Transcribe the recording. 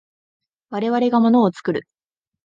我々が物を作る。